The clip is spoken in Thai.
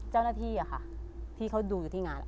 เจ้าหน้าที่อะค่ะที่เขาดูอยู่ที่งาน